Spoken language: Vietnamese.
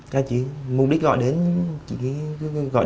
chỉ mục đích gọi đến nhà để chơi